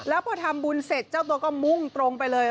แล้วพอทำบุญเสร็จเจ้าตัวก็มุ่งตรงไปเลย